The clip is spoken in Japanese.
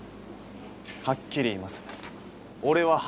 はっきり言います。